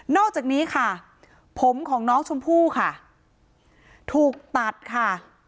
อกจากนี้ค่ะผมของน้องชมพู่ค่ะถูกตัดค่ะ